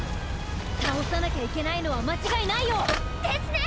倒さなきゃいけないのは間違いないよ！ですね！